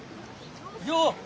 よう！